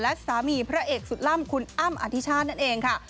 และสามีพระเอกสุดล่ำคุณอ้ำอธิชาตินั่นเองค่ะ